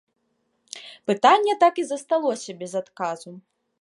Пытанне так і засталося без адказу.